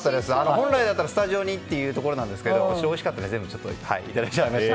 本来ならスタジオになんですがおいしかったので全部いただいちゃいました。